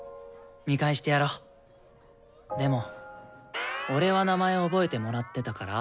でも俺は名前覚えてもらってたから。